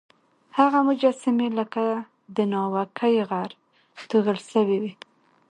هغه مجسمې لکه د ناوکۍ غر توږل سوی وې.